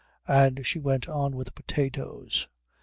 And she went on with the potatoes.